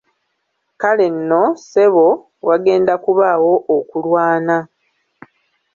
Kale nno, ssebo, wagenda kubaawo okulwana.